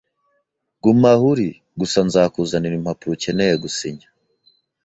Guma aho uri gusa nzakuzanira impapuro ukeneye gusinya